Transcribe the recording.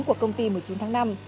của công ty một mươi chín tháng năm